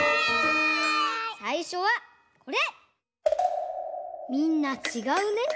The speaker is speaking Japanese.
さいしょはこれ！